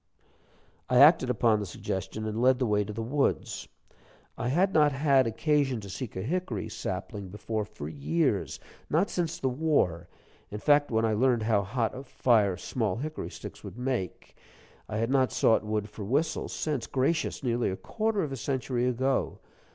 I acted upon the suggestion, and led the way to the woods. I had not had occasion to seek a hickory sapling before for years; not since the war, in fact, when I learned how hot a fire small hickory sticks would make. I had not sought wood for whistles since gracious, nearly a quarter of a century ago!